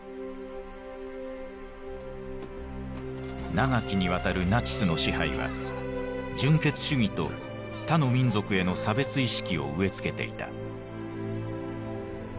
長きにわたるナチスの支配は純血主義と他の民族への差別意識を植え付けていた。